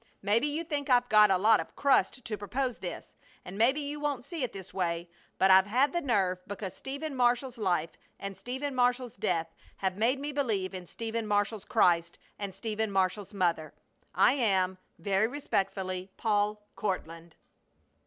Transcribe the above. Maybe you think I've got a lot of crust to propose this, and maybe you won't see it this way, but I've had the nerve because Stephen Marshall's life and Stephen Marshall's death have made me believe in Stephen Marshall's Christ and Stephen Marshall's mother. I am, very respectfully, PAUL COURTLAND.